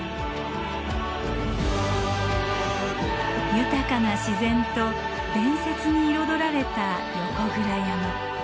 豊かな自然と伝説に彩られた横倉山。